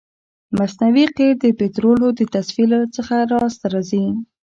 مصنوعي قیر د پطرولو د تصفیې څخه لاسته راځي